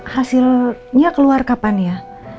hasilnya keluar kapan ya